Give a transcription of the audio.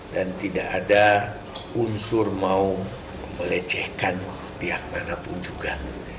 tidak ada unsur mau melecehkan pihak manapun juga